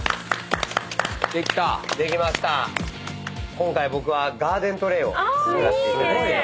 今回僕はガーデントレーを作らせていただいて。